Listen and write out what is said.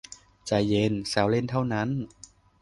ใจเย็น แซวเล่นเท่านั้น